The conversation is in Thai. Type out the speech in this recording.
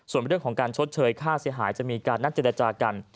ส่วนเรื่องของการชดเชยค่าเสียหายจะมีการนัดเจรจากัน